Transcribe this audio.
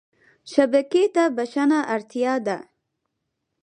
شبکې ته بښنه اړتیا ده.